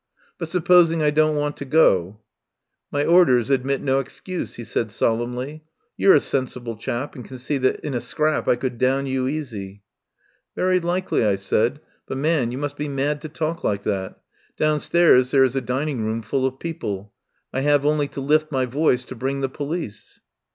"But supposing I don't want to go?" "My orders hadmit no hexcuse," he said solemnly. "You're a sensible chap, and can see that in a scrap I could down you easy." "Very likely," I said. "But, man, you must be mad to talk like that. Downstairs there is a dining room fall of people. I have only to lift my voice to bring the police."